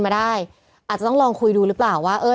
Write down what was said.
เพื่อไม่ให้เชื้อมันกระจายหรือว่าขยายตัวเพิ่มมากขึ้น